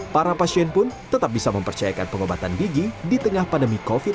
para pasien pun tetap bisa mempercayakan pengobatan gigi di tengah pandemi covid sembilan belas